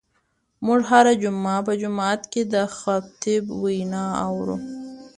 موږ هره جمعه په جومات کې د خطیب وینا اورو.